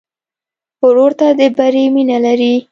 ورور ته د بری مینه لرې.